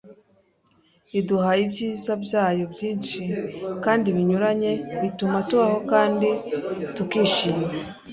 iduha ibyiza byayo byinshi kandi binyuranye, bituma tubaho kandi tukishima.